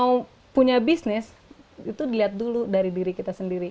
mau punya bisnis itu dilihat dulu dari diri kita sendiri